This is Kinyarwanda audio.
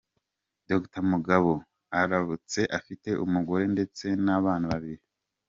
Dr Mugabo arubatse, afite umugore ndetse n’abana babiri.